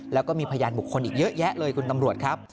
แล้วก็มีพยานบุคคลอีกเยอะแยะเลยคุณตำรวจครับ